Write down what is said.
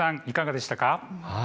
いかがでしたか。